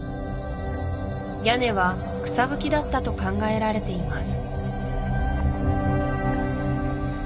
屋根は草ぶきだったと考えられています